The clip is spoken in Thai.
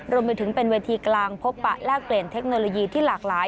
รวมไปถึงเป็นเวทีกลางพบปะแลกเปลี่ยนเทคโนโลยีที่หลากหลาย